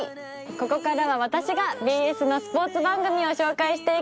ここからは私がＢＳのスポーツ番組を紹介していきます。